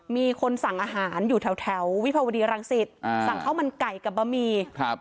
มีคนสั่งอาหารอยู่แถวแถววิภาวดีรังสิตอ่าสั่งข้าวมันไก่กับบะหมี่ครับ